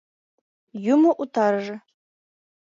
Юмо утарыже...